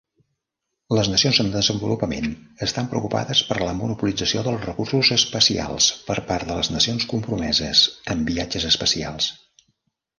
Les nacions en desenvolupament estan preocupades per la monopolització dels recursos espacials per part de les nacions compromeses en viatges especials.